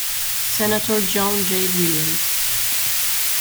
Senator John J. Williams.